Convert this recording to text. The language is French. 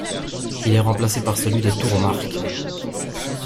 Il est remplacé par celui de tourmarque.